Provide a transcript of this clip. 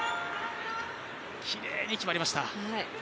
きれいに決まりました